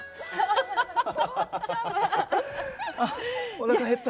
おなか減った。